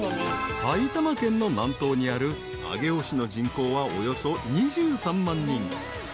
［埼玉県の南東にある上尾市の人口はおよそ２３万人］